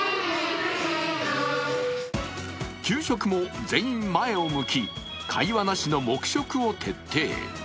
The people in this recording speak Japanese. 給食も全員前を向き会話なしの黙食を徹底。